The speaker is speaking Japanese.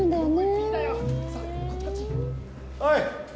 おい。